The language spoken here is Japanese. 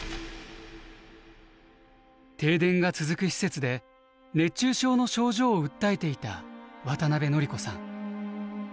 停電が続く施設で熱中症の症状を訴えていた渡邉典子さん。